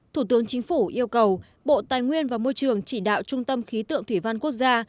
thủ tướng chính phủ yêu cầu bộ tài nguyên và môi trường chỉ đạo trung tâm khí tượng thủy văn quốc gia